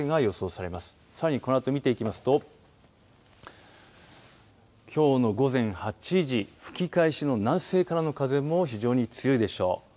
さらにこのあと見ていきますときょうの午前８時吹き返しの南西からの風も非常に強いでしょう。